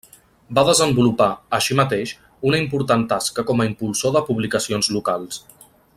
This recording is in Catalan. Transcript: Va desenvolupar, així mateix, una important tasca com a impulsor de publicacions locals.